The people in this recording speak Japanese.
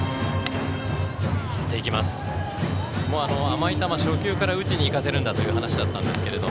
甘い球、初球から打ちにいかせるんだという話だったんですけど。